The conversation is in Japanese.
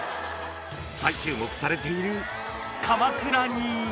［再注目されている鎌倉に］